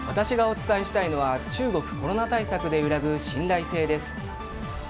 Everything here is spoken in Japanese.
私がお伝えしたいのは中国コロナ対策で揺らぐ信頼性です。